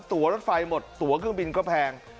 ตัวรถไฟหมดตัวเครื่องบินก็แพง